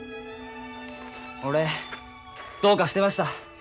俺どうかしてました。